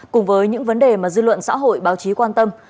cùng với những vấn đề mà dư luận xã hội báo chí quan tâm